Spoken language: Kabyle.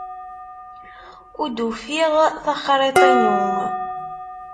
Ur d-ufiɣ taxriḍt-inu.